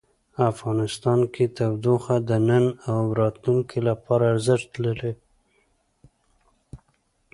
افغانستان کې تودوخه د نن او راتلونکي لپاره ارزښت لري.